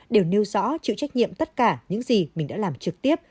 đều nêu rõ chịu trách nhiệm tất cả những gì mình đã làm trực tiếp